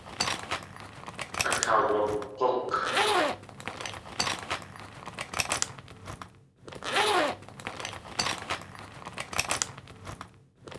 Akaawag̲úk.